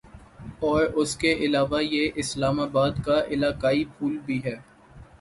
اور اس کے علاوہ یہ اسلام آباد کا علاقائی پھول بھی ہے